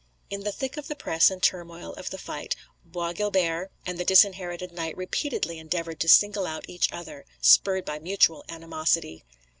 In the thick of the press and turmoil of the fight Bois Guilbert and the Disinherited Knight repeatedly endeavoured to single out each other, spurred by mutual animosity.